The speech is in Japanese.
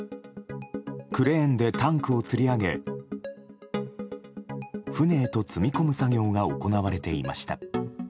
クレーンでタンクをつり上げ船へと積み込む作業が行われていました。